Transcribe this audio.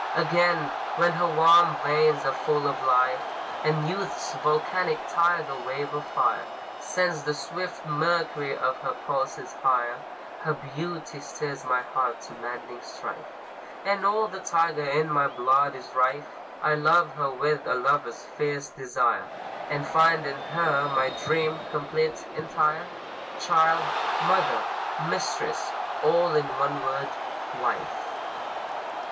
Again, when her warm veins are full of life, And youth's volcanic tidal wave of fire Sends the swift mercury of her pulses higher, Her beauty stirs my heart to maddening strife, And all the tiger in my blood is rife; I love her with a lover's fierce desire, And find in her my dream, complete, entire, Child, Mother, Mistress all in one word Wife.